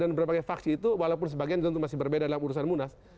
dan berbagai faksi itu walaupun sebagian tentu masih berbeda dalam urusan munas